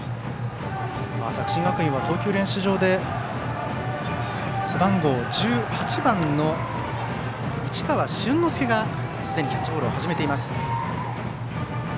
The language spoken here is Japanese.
作新学院は、投球練習場で背番号１８番の市川春之介がすでにキャッチボールを始めています。